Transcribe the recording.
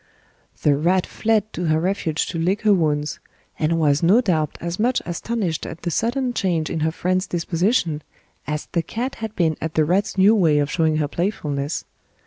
The rat fled to her refuge to lick her wounds, and was no doubt as much astonished at the sudden change in her friend's disposition as the cat had been at the rat's new way of showing her playfulness.